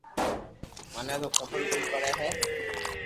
مني تو خبر ڪوئي پڙي ھي